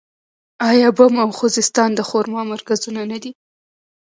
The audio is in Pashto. آیا بم او خوزستان د خرما مرکزونه نه دي؟